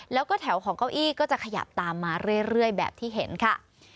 แล้วก็แถวของเก้าอี้ก็จะขยับตามมาเรื่อยแบบที่เห็นค่ะ